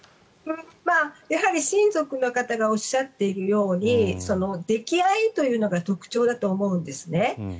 やはり親族の方がおっしゃっているように溺愛というのが特徴だと思うんですね。